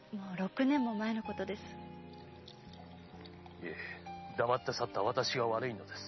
いえ黙って去った私が悪いのです。